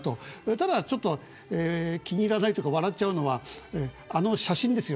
ただ、気に入らないというか笑っちゃうのはあの写真ですよ。